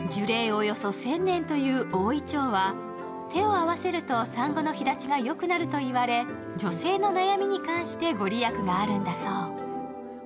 およそ１０００年という大いちょうは手を合わせると産後の肥立ちがよくなると言われ女性の悩みに関して御利益があるんだそう。